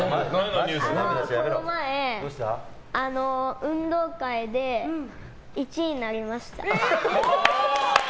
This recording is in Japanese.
この前、運動会で１位になりました。